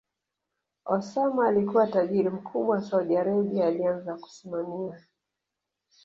Osama alikua tajiri mkubwa Saudi Arabia alianza kusimamia